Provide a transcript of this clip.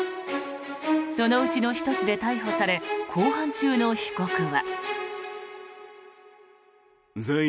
そのうちの１つで逮捕され公判中の被告は。